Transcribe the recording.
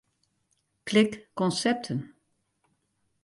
Klik Konsepten.